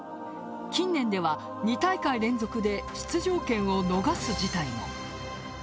近年では、２大会連続で出場権を逃す事態に。